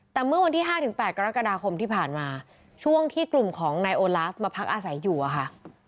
แต่เมื่อวันที่๕๘กรกฎาคมที่ผ่านมาช่วงที่กลุ่มของนายโอลาฟมาพักอาศัยอยู่อะค่ะ